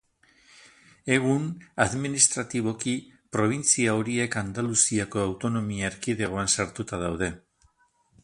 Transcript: Egun, administratiboki, probintzia horiek Andaluziako autonomia erkidegoan sartuta daude.